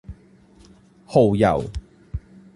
蠔油